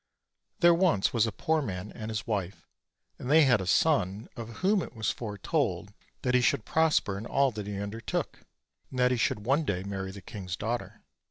THERE was once a poor man and his wife, and they had a son, of whom it was foretold that he should prosper in all that he undertook, and that he should one day marry the king's daughter.